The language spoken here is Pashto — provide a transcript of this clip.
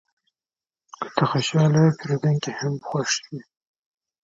که ته خوشحاله یې، پیرودونکی هم خوښ وي.